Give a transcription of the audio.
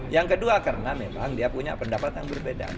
yang kedua karena memang dia punya pendapat yang berbeda